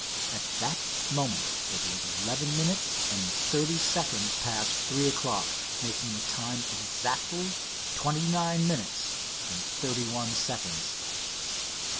At that moment it was eleven minutes and thirty seconds past three o'clock, making the time exactly twenty nine minutes and thirty one seconds.